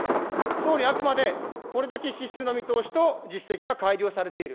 総理、あくまでこれだけ支出の見通しと実質とかい離をされている。